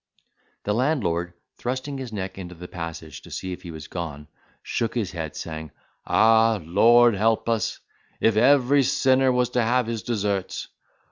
The Landlord, thrusting his neck into the passage to see if he was gone, shook his head, saying, "Ah! Lord help us! if every sinner was to have his deserts.